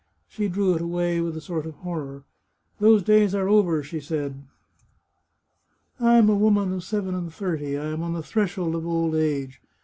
She drew it away with a sort of horror. " Those days are over," she said. "I am a woman of seven and thirty ; I am on the threshold of old age.